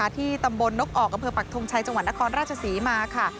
ที่ตำบลนกออกกับเผลอปักทุงชัยจังหวันอครราชสีมาค่ะ